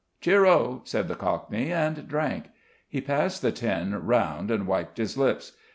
"Cheero!" said the Cockney, and drank. He passed the tin round and wiped his lips.